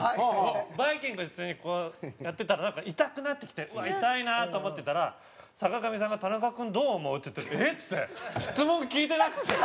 『バイキング』で普通にこうやってたら痛くなってきて「うわっ痛いな」と思ってたら坂上さんが「田中君どう思う？」って言って「えっ？」っつって。